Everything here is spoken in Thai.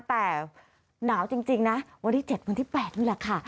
แต่หนาวจริงนะวันที่๗วันที่๘นี่แหละค่ะ